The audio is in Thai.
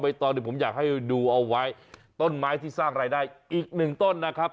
ตอนที่ผมอยากให้ดูเอาไว้ต้นไม้ที่สร้างรายได้อีกหนึ่งต้นนะครับ